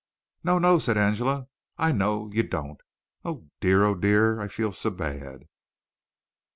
"No, no!" said Angela. "I know! You don't. Oh, dear; oh, dear; I feel so bad!"